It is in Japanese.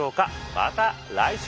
また来週。